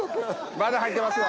まだ入ってますよ。